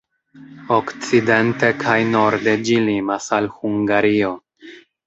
Okcidente kaj norde ĝi limas al Hungario.